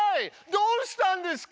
どうしたんですか？